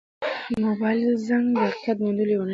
د موبایل زنګ د حقیقت د موندلو یوه نښه شوه.